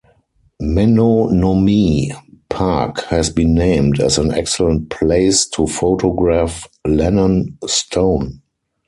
Menonomee Park has been named as an excellent place to photograph Lannon stone.